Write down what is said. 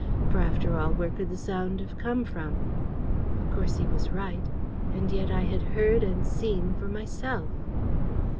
For, after all, where could the sound come from?' "Of course, he was right. And yet I had heard and seen for myself.